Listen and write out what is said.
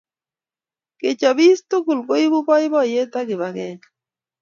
Kechopis tugul koipu boiboiyet ak kipakenge